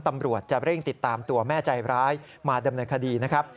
ตำรวจจะเร่งติดตามตัวแม่ใจร้ายมาดำเนินคดีนะครับ